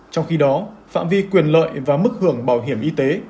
trong khi đó phạm vi quyền lợi và mức hưởng bảo hiểm y tế